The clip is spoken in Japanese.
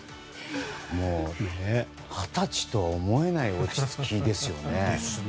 もう、二十歳とは思えない落ち着きですよね。